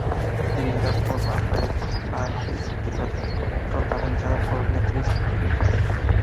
Dirigida por Rafael Banquells y protagonizada por Beatriz Aguirre.